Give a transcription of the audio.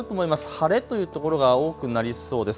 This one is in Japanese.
晴れという所が多くなりそうです。